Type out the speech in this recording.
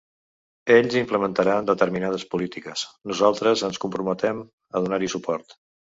Ells implementaran determinades polítiques, nosaltres ens comprometem a donar-hi suport.